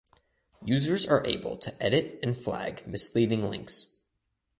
Users are able to edit and flag misleading links.